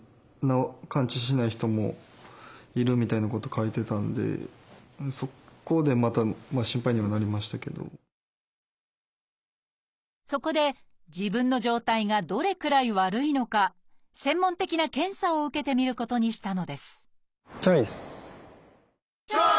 ネットでそこでまたそこで自分の状態がどれくらい悪いのか専門的な検査を受けてみることにしたのですチョイス！